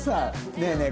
ねえねえ